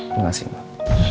terima kasih mbak